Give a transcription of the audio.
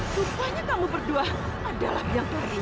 tumpahnya kamu berdua adalah yang terakhir